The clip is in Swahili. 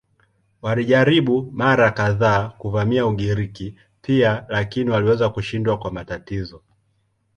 Walijaribu mara kadhaa kuvamia Ugiriki pia lakini waliweza kushindwa kwa matatizo.